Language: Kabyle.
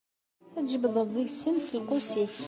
Ad tjebdeḍ deg-sen s lqus-ik.